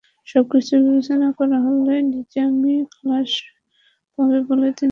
সবকিছু বিবেচনা করা হলে নিজামী খালাস পাবেন বলে তিনি আশা করছেন।